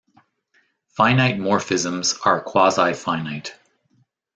Finite morphisms are quasi-finite.